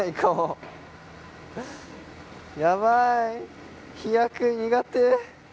やばい飛躍苦手。